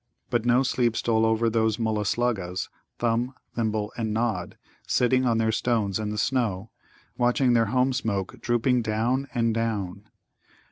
But no sleep stole over those Mulla sluggas, Thumb, Thimble, and Nod, sitting on their stones in the snow, watching their home smoke drooping down and down.